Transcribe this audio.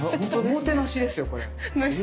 おもてなしですよこれ。